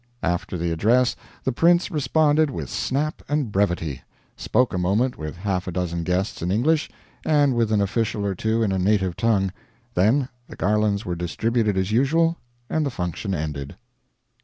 After the address the prince responded with snap and brevity; spoke a moment with half a dozen guests in English, and with an official or two in a native tongue; then the garlands were distributed as usual, and the function ended.